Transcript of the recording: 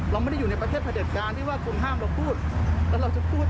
เราไม่ได้อยู่ในประเทศพระเด็จการที่ว่าคุณห้ามเราพูดแล้วเราจะพูด